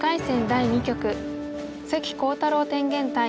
第２局関航太郎天元対